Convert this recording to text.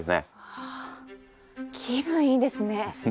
わあ気分いいですね！